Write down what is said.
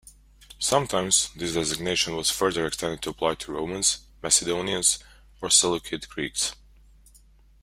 Sometimes this designation was further extended to apply to Romans, Macedonians or Seleucid Greeks.